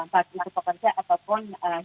bagi pekerja ataupun